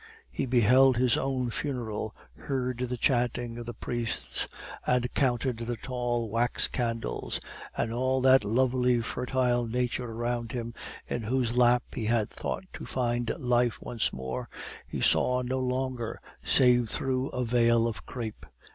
He beheld his own funeral, heard the chanting of the priests, and counted the tall wax candles; and all that lovely fertile nature around him, in whose lap he had thought to find life once more, he saw no longer, save through a veil of crape.